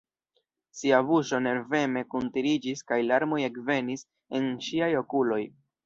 Sia buŝo nerveme kuntiriĝis kaj larmoj ekvenis en ŝiaj okuloj.